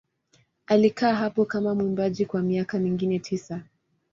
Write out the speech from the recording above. Alikaa hapo kama mwimbaji kwa miaka mingine tisa.